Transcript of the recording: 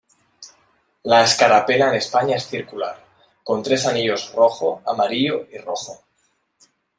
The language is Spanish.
La escarapela en España es circular, con tres anillos rojo, amarillo y rojo.